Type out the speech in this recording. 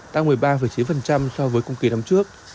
tăng một mươi ba chín so với cùng kỳ năm trước